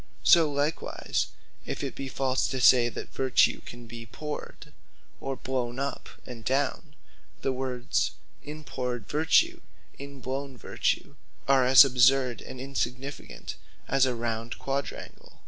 So likewise if it be false, to say that vertue can be powred, or blown up and down; the words In powred Vertue, In blown Vertue, are as absurd and insignificant, as a Round Quadrangle.